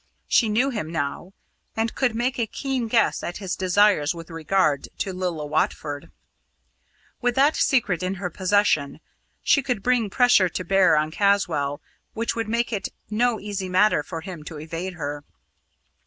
She knew him now, and could make a keen guess at his desires with regard to Lilla Watford. With that secret in her possession, she could bring pressure to bear on Caswall which would make it no easy matter for him to evade her.